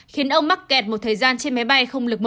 khiến ông mắc kẹt một thời gian trên máy bay không lực một